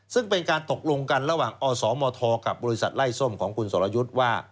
ซึ่งเป็นการตกลงกันระหว่างอสมทกับบริษัทไล่ส้มของคุณสรยุทธ์ว่า